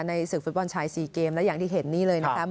ศึกฟุตบอลชาย๔เกมและอย่างที่เห็นนี่เลยนะครับ